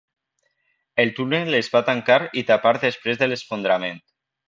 El túnel es va tancar i tapar després de l'esfondrament.